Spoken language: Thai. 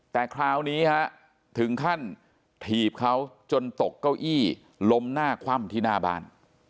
แต่คราวนี้ฮะถึงขั้นถีบเขาจนตกเก้าอี้ล้มหน้าคว่ำที่หน้าบ้าน